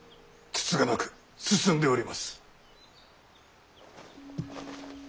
つつがなく進んでおります。